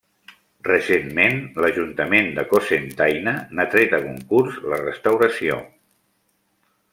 Recentment, l'ajuntament de Cocentaina n'ha tret a concurs la restauració.